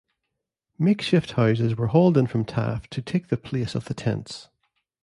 Makeshift houses were hauled in from Taft to take the place of the tents.